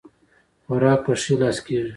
خوراک په ښي لاس کيږي